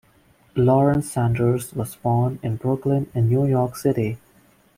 Lawrence Sanders was born in Brooklyn in New York City.